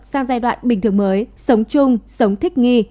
sang giai đoạn bình thường mới sống chung sống thích nghi